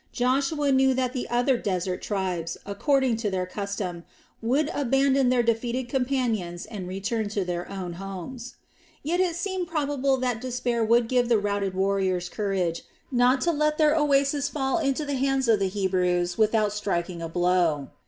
Joshua knew that the other desert tribes, according to their custom, would abandon their defeated companions and return to their own homes. Yet it seemed probable that despair would give the routed warriors courage not to let their oasis fall into the hands of the Hebrews without striking a blow.